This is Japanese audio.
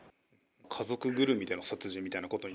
家族ぐるみでの殺人みたいなことに？